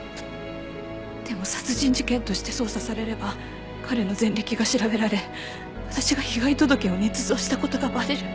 でも殺人事件として捜査されれば彼の前歴が調べられ私が被害届を捏造した事がバレる。